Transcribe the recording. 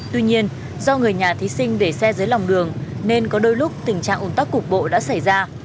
tuy nhiên do người nhà thí sinh để xe dưới lòng đường nên có đôi lúc tình trạng ồn tắc cục bộ đã xảy ra